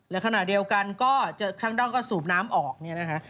และขณะเดียวกันก็เจอครั้งด้องก็สูบน้ำออกเนี่ยนะคะ